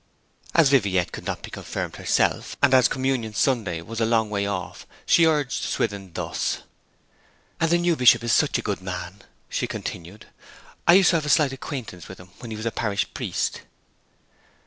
As Viviette could not be confirmed herself, and as Communion Sunday was a long way off, she urged Swithin thus. 'And the new bishop is such a good man,' she continued. 'I used to have a slight acquaintance with him when he was a parish priest.'